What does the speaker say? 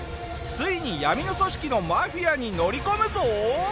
ついに闇の組織のマフィアに乗り込むぞ。